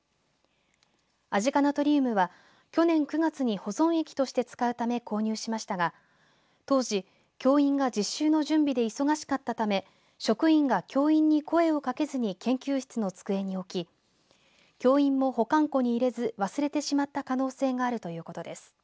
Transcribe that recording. アジ化ナトリウムは去年９月に保存液として使うため購入しましたが当時、教員が実習の準備で忙しかったため職員が教員に声をかけずに研究室の机に置き教員も保管庫に入れず忘れてしまった可能性があるということです。